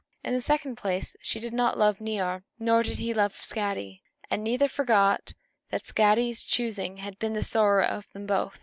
In the second place, she did not love Niörd, nor did he love Skadi, and neither forgot that Skadi's choosing had been sorrow to them both.